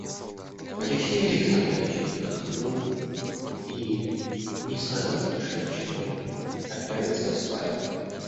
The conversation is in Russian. Алексей Александрович вздохнул и, не сказав больше ничего, отправился в спальню.